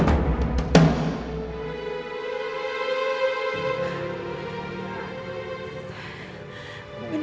lagi sibuk ya